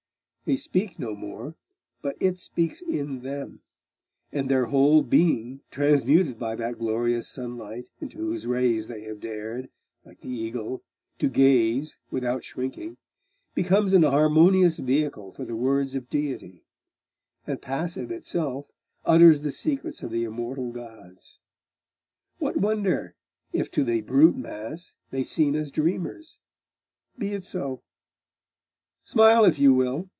They speak no more, but It speaks in them, and their whole being, transmuted by that glorious sunlight into whose rays they have dared, like the eagle, to gaze without shrinking, becomes an harmonious vehicle for the words of Deity, and passive itself, utters the secrets of the immortal gods! What wonder if to the brute mass they seem as dreamers? Be it so.... Smile if you will.